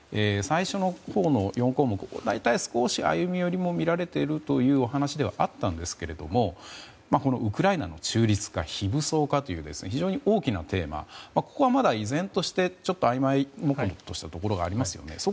最初の４項目少し歩み寄りも見られているというお話ではあったんですがウクライナの中立化非武装化という非常に大きなテーマここは依然としてまだ曖昧模糊なところがありますよね。